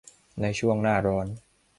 ในช่วงหน้าร้อน